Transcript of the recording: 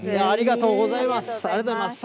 ありがとうございます。